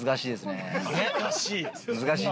難しい。